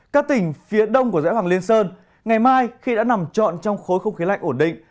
các tỉnh phía đông của dãy hoàng liên sơn ngày mai khi đã nằm trọn trong khối không khí lạnh ổn định